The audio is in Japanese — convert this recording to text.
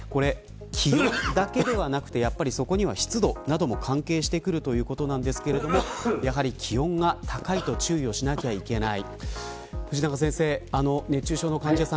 気温だけでなくそこには湿度も関係してくるということですけどやはり気温が高いと注意をしなければいけない。